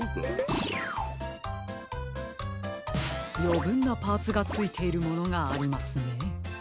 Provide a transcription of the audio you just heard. よぶんなパーツがついているものがありますね。